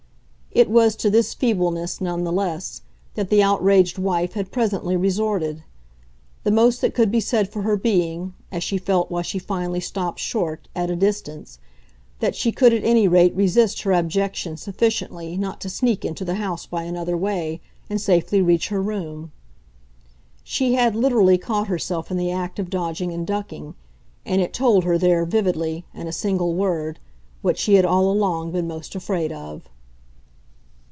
It was to this feebleness, none the less, that the outraged wife had presently resorted; the most that could be said for her being, as she felt while she finally stopped short, at a distance, that she could at any rate resist her abjection sufficiently not to sneak into the house by another way and safely reach her room. She had literally caught herself in the act of dodging and ducking, and it told her there, vividly, in a single word, what she had all along been most afraid of.